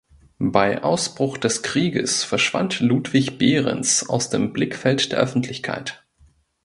Bei Ausbruch des Krieges verschwand Ludwig Behrends aus dem Blickfeld der Öffentlichkeit.